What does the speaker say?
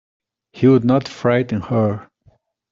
He would not frighten her.